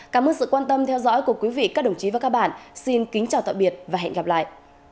cảm ơn các bạn đã theo dõi và hẹn gặp lại